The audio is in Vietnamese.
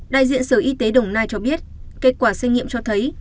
đại diện sở y tế đồng nai cho biết kết quả xét nghiệm cho thấy